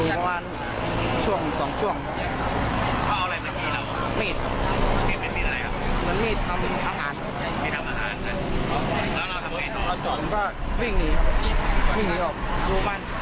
อยู่อยู่